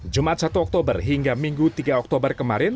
jumat satu oktober hingga minggu tiga oktober kemarin